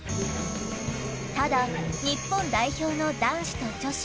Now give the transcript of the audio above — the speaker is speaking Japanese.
ただ、日本代表の男子と女子。